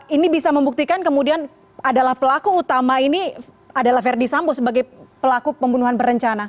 ini bisa membuktikan kemudian adalah pelaku utama ini adalah verdi sambo sebagai pelaku pembunuhan berencana